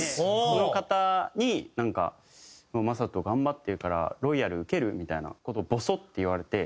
その方になんか「將人頑張ってるからロイヤル受ける？」みたいな事をボソッて言われて。